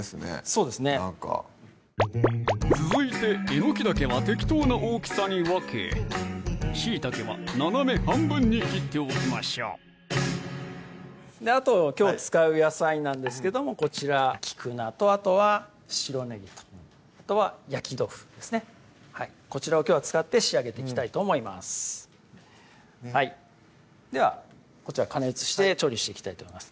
そうですね続いてえのきだけは適当な大きさに分けしいたけは斜め半分に切っておきましょうあときょう使う野菜なんですけどもこちら菊菜とあとは白ねぎとあとは焼き豆腐ですねこちらをきょうは使って仕上げていきたいと思いますではこちら加熱して調理していきたいと思います